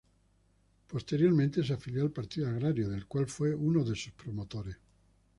Posteriormente se afilió al Partido Agrario, del cual fue uno de sus promotores.